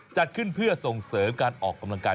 จัดขึ้นเพื่อส่งเสริมการออกกำลังกาย